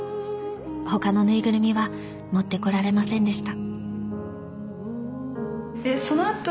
ほかの縫いぐるみは持ってこられませんでした